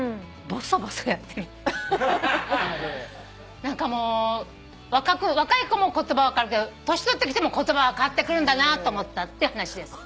何かもう若い子も言葉は変わるけど年取ってきても言葉は変わってくるんだなと思ったって話です。